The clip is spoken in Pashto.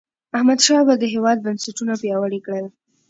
احمدشاه بابا د هیواد بنسټونه پیاوړي کړل.